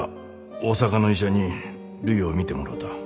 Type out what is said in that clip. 大阪の医者にるいを診てもろうた。